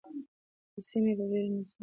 دا سیمي به بیرته زموږ شي.